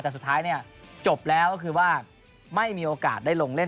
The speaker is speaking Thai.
แต่สุดท้ายเนี่ยจบแล้วก็คือว่าไม่มีโอกาสได้ลงเล่น